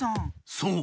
そう。